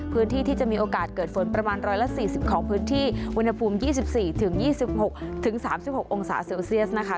พื้นที่ที่จะมีโอกาสเกิดฝนประมาณ๑๔๐ของพื้นที่อุณหภูมิ๒๔๒๖๓๖องศาเซลเซียสนะคะ